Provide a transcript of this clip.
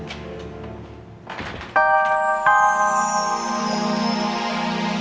jangan mau ng experiencing